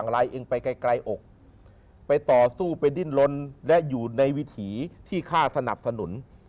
ลายเองไปไกลอกไปต่อสู้ไปดิ้นลนและอยู่ในวิถีที่ข้าสนับสนุน